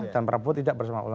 dan prabowo tidak bersama ulama